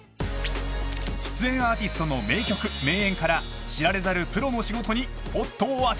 ［出演アーティストの名曲名演から知られざるプロの仕事にスポットを当てる］